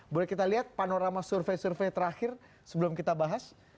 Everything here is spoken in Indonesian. boleh kita lihat panorama survei survei terakhir sebelum kita bahas